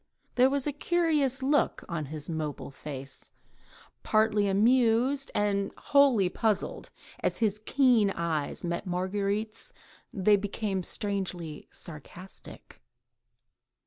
There was a curious look on his mobile face, partly amused and wholly puzzled, and as his keen eyes met Marguerite's they became strangely sarcastic.